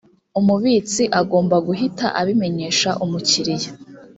umubitsi agomba guhita abimenyesha umukiriya